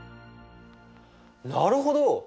なるほど。